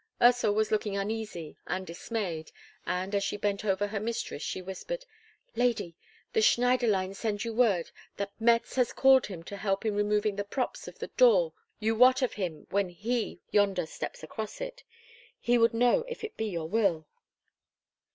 Ursel was looking uneasy and dismayed, and, as she bent over her mistress, she whispered, "Lady, the Schneiderlein sends you word that Mätz has called him to help in removing the props of the door you wot of when he yonder steps across it. He would know if it be your will?"